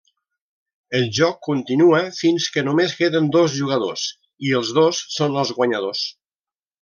El joc continua fins que només queden dos jugadors, i els dos són els guanyadors.